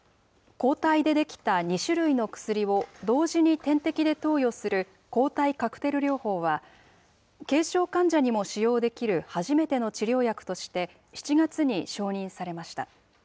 抗体で出来た２種類の薬を同時に点滴で投与する抗体カクテル療法は、軽症患者にも使用できる初めての治療薬として、７月に承認されました。